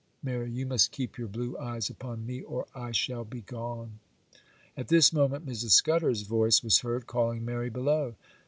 Mary, you must keep your blue eyes upon me, or I shall be gone.' At this moment Mrs. Scudder's voice was heard, calling Mary below.